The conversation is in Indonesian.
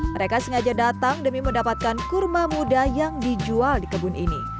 mereka sengaja datang demi mendapatkan kurma muda yang dijual di kebun ini